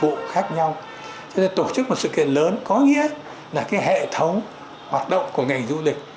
bộ khác nhau cho nên tổ chức một sự kiện lớn có nghĩa là cái hệ thống hoạt động của ngành du lịch